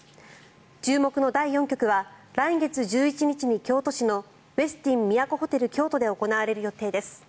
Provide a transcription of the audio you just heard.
注目の第４局は来月１１日に京都市のウェスティン都ホテル京都で行われる予定です。